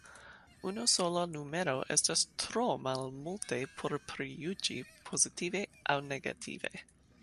Unusola numero estas tro malmulte por prijuĝi, pozitive aŭ negative.